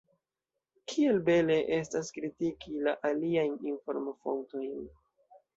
Kiel bele estas kritiki la aliajn informofontojn!